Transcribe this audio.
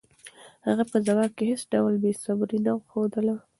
هغه په ځواب کې هېڅ ډول بېصبري نه ښودله.